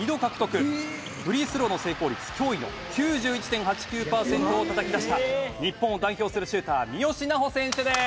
フリースローの成功率驚異の９１．８９パーセントをたたき出した日本を代表するシューター三好南穂選手です！